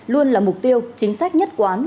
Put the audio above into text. luôn là mục tiêu chính sách nhất quán